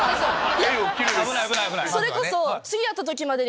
それこそ。